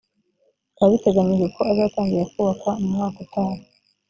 bikaba biteganyijwe ko azatangira kubakwa mu mwaka utaha